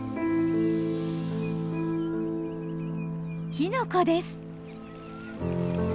キノコです。